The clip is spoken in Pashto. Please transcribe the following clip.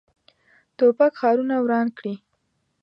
توپک ښارونه وران کړي.